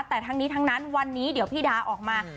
แต่ทั้งนี้ทั้งนั้นวันนี้เดี๋ยวพี่ดาออกมา